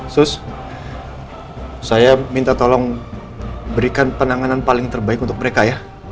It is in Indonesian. terus saya minta tolong berikan penanganan paling terbaik untuk mereka ya